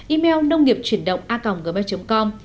email nông nghiệp chuyển động a gmail com